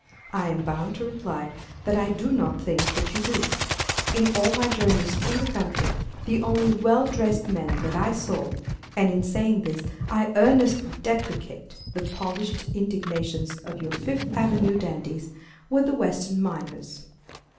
I am bound to reply that I do not think that you do. In all my journeys through the country, the only well dressed men that I saw—and in saying this I earnestly deprecate the polished indignation of your Fifth Avenue dandies—were the Western miners.